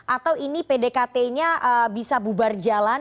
atau ini pdkt nya bisa bubar jalan